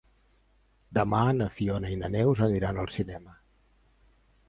Demà na Fiona i na Neus aniran al cinema.